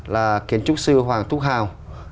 là kiến trúc sư hoàng thúc hào